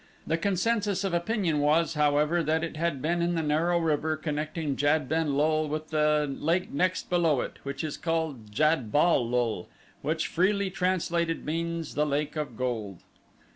The consensus of opinion was, however, that it had been in the narrow river connecting Jad ben lul with the lake next below it, which is called Jad bal lul, which freely translated means the lake of gold.